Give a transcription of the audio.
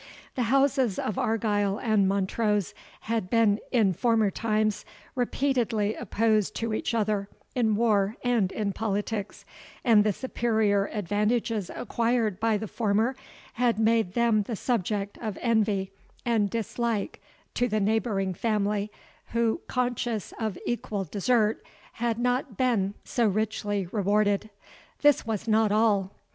The houses of Argyle and Montrose had been in former times, repeatedly opposed to each other in war and in politics, and the superior advantages acquired by the former, had made them the subject of envy and dislike to the neighbouring family, who, conscious of equal desert, had not been so richly rewarded. This was not all.